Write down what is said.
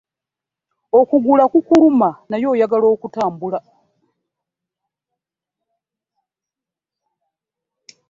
Okugulu kukuluma naye oyagala okutambula.